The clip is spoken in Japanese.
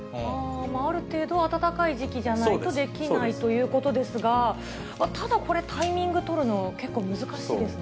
ある程度、暖かい時期じゃないとできないということですが、ただこれ、タイミング取るの結構難しいですね。